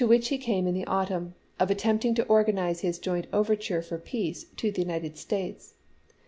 which he came in the autumn, of attempting to or ganize his joint overture for peace to the United States.